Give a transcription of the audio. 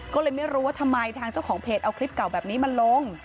ก็เลยไม่รู้ว่าทำไมทางเจ้าของเพจเอาคลิปเก่าแบบนี้มาลง